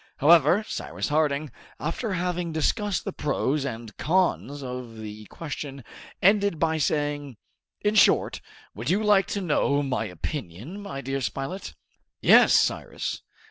However, Cyrus Harding, after having discussed the pros and cons of the question, ended by saying, "In short, would you like to know my opinion, my dear Spilett?" "Yes, Cyrus."